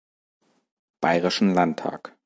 Bayerischen Landtag.